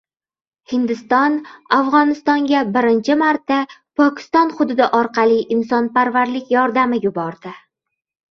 Hindiston Afg‘onistonga birinchi marta Pokiston hududi orqali insonparvarlik yordami yuboradi